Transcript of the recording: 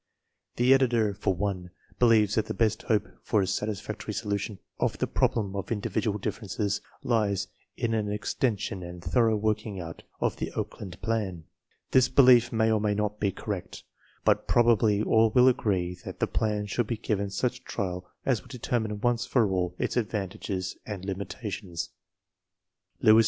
The editor, for one, believes that the best hope for a satisfactory solution of the problem of indi vidual differences lies in an extension and thorough working out of the Oakland plan. This belief may or may not be correct, but prob ably all will agree that the plan should be given such trial as will determine once for all its advantages and limitations. (L. M.